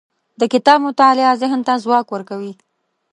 د کتاب مطالعه ذهن ته ځواک ورکوي.